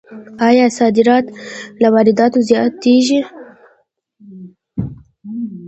آیا صادرات له وارداتو زیاتیږي؟